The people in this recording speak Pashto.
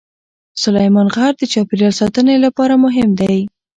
سلیمان غر د چاپیریال ساتنې لپاره مهم دی.